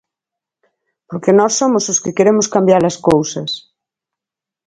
Porque nós somos os que queremos cambiar as cousas.